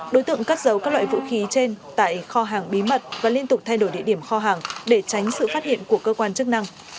đối tượng cất giấu các loại vũ khí trên tại kho hàng bí mật và liên tục thay đổi địa điểm kho hàng để tránh sự phát hiện của cơ quan chức năng